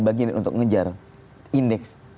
bagian untuk mengejar indeks